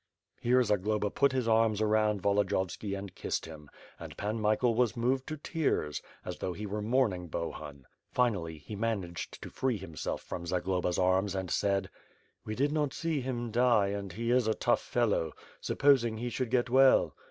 Here, Zagloba put his arms around Volodiyovski and kissed him, and Pan Michael was moved to tears, as though he were mourning Bohun. Finally, he managed to free himself from Zagloba's arms and sadd: "We did not see him die and he is a tough fellow — suppos ing he should get well!"